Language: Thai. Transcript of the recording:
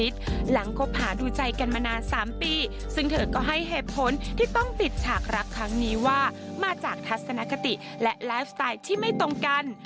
แต่ผลที่ต้องปิดฉากรักครั้งนี้ว่ามาจากทัศนคติและไลฟ์สไตล์ที่ไม่ตรงกัน